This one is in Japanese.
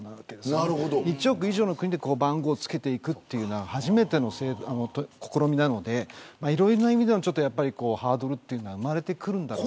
１億以上の国で番号を付けていくのは初めての試みなのでいろいろな意味でハードルが生まれてくるんだろうと。